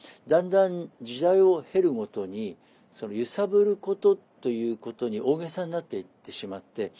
だんだん時代を経るごとにその揺さぶることということに大げさになっていってしまって。